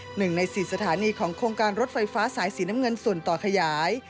หนึ่งในสี่สถานีของโครงการรถไฟฟ้าสายสีน้ำเงินส่วนต่อขยาย